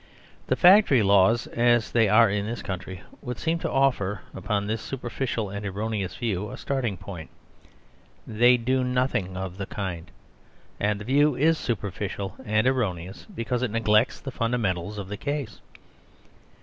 The Factory Laws, as they are in this country, would seem to offer upon this superficial and erroneous view a starting point. They do nothing of the kind ; and the view is super ficial and erroneous because it neglects the funda mentals of the case.